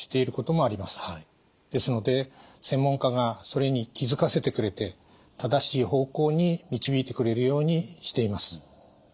ですので専門家がそれに気付かせてくれて正しい方向に導いてくれるようにしています。